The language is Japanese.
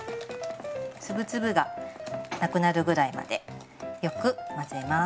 粒々がなくなるぐらいまでよく混ぜます。